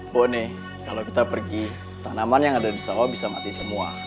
boleh kalau kita pergi tanaman yang ada di sawah bisa mati semua